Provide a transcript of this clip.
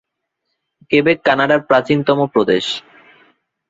Quebec কানাডার প্রাচীনতম প্রদেশ।